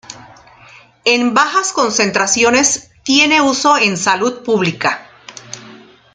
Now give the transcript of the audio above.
En bajas concentraciones, tiene uso en salud pública.